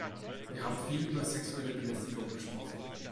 Wir haben viel über sexuelle Belästigung gesprochen.